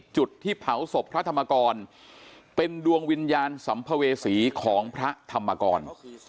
จุดที่เผาศพพระธรรมกรเป็นดวงวิญญาณสัมภเวษีของพระธรรมกร